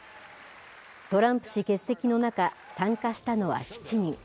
トランプ氏欠席の中参加したのは７人。